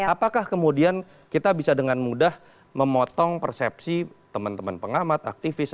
apakah kemudian kita bisa dengan mudah memotong persepsi teman teman pengamat aktivis